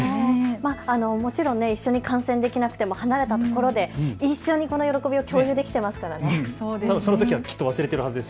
もちろん一緒に観戦できなくても離れた所で一緒に喜びを共有できていますからね。